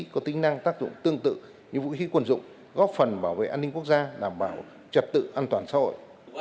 có tính năng tác dụng tương tự như vũ khí quân dụng góp phần bảo vệ an ninh quốc gia đảm bảo trật tự an toàn xã hội